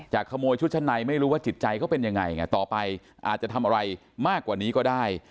ขโมยชุดชั้นในไม่รู้ว่าจิตใจเขาเป็นยังไงไงต่อไปอาจจะทำอะไรมากกว่านี้ก็ได้